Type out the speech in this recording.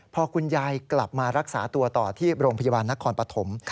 พอคุณยายกลับมารักษาตัวต่อที่โรงพยาบาลนครปฐม